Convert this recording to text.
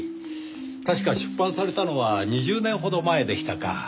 確か出版されたのは２０年ほど前でしたか。